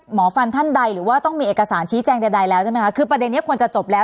หมอฟันท่านใดหรือว่าต้องมีเอกสารชี้แจงใดแล้วใช่ไหมคะคือประเด็นนี้ควรจะจบแล้ว